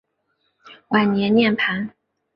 晚年涅盘。